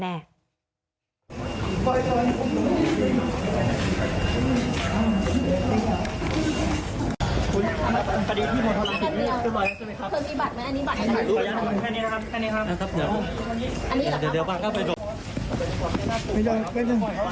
เคยมีบัตรไหมอันนี้บัตรไหม